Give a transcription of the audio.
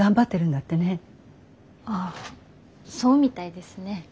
あそうみたいですね。